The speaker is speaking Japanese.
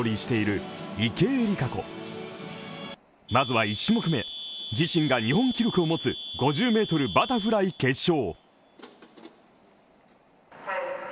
まずは１種目目、自身が日本記録を持つ５０ｍバタフライ決勝